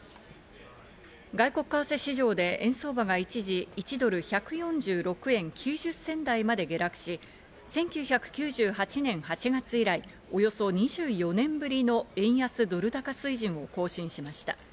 外国為替市場で円相場が一時、１ドル＝１４６円９０銭台まで下落し、１９９８年８月以来、およそ２４年ぶりの円安ドル高水準を更新しました。